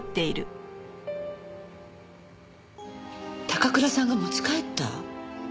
高倉さんが持ち帰った？